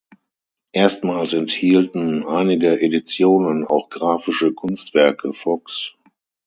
Erstmals enthielten einige Editionen auch graphische Kunstwerke Foxx'.